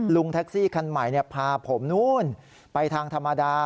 ลุงแท็กซี่คันใหม่พาผมไปทางธรรมาดา